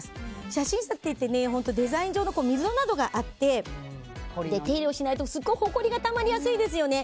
写真立てってデザイン上、溝などがあって手入れをしないと、すごくほこりがたまりやすいですよね。